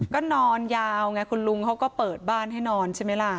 ก็นอนยาวไงคุณลุงเขาก็เปิดบ้านให้นอนใช่ไหมล่ะ